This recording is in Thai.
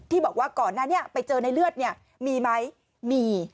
บอกว่าก่อนหน้านี้ไปเจอในเลือดเนี่ยมีไหมมี